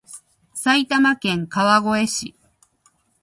埼玉県川越市